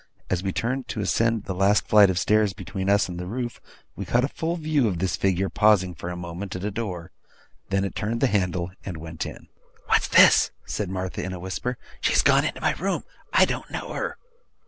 As we turned to ascend the last flight of stairs between us and the roof, we caught a full view of this figure pausing for a moment, at a door. Then it turned the handle, and went in. 'What's this!' said Martha, in a whisper. 'She has gone into my room. I don't know her!